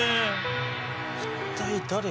一体誰が？